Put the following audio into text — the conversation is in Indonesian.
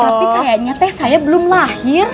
tapi kayaknya teh saya belum lahir